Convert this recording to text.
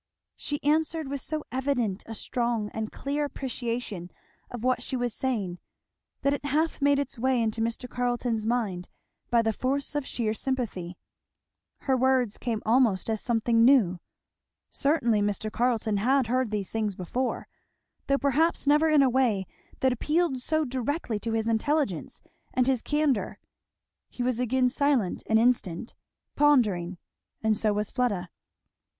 She answered with so evident a strong and clear appreciation of what she was saying that it half made its way into Mr. Carleton's mind by the force of sheer sympathy. Her words came almost as something new. Certainly Mr. Carleton had heard these things before, though perhaps never in a way that appealed so directly to his intelligence and his candour. He was again silent an instant, pondering, and so was Fleda.